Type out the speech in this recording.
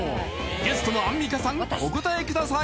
ゲストのアンミカさんお答えください